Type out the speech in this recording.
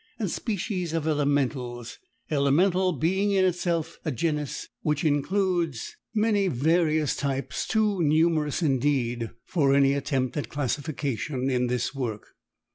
and species of elementals elemental being in itself, a genus which includes many various types, too numerous indeed, for any attempt at classification in this work.